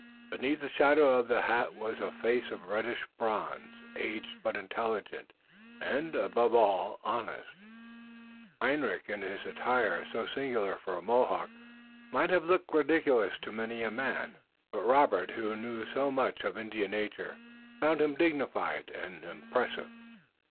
Beneath the shadow of the hat was a face of reddish bronze, aged but intelligent, and, above all, honest. Hendrik in an attire so singular for a Mohawk might have looked ridiculous to many a man, but Robert, who knew so much of Indian nature, found him dignified and impressive.